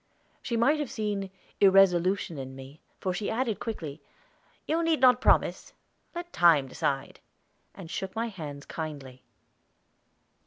She might have seen irresolution in me, for she added quickly, "You need not promise let time decide," and shook my hands kindly.